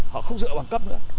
họ không dựa vào cấp nữa